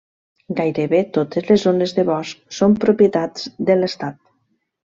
Gairebé totes les zones de bosc són propietats de l'Estat.